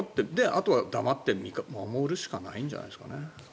あとは黙って見守るしかないんじゃないんですかね。